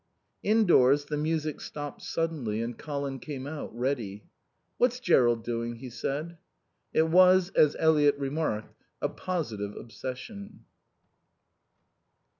Indoors the music stopped suddenly and Colin came out, ready. "What's Jerrold doing?" he said. It was, as Eliot remarked, a positive obsession.